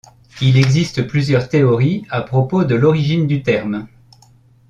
Il existe plusieurs théories à propos de l’origine du terme.